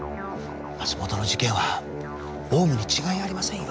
松本の事件はオウムに違いありませんよ。